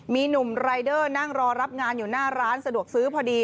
มีหนุ่มรายเดอร์นั่งรอรับงานอยู่หน้าร้านสะดวกซื้อพอดี